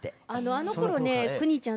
あのころね邦ちゃん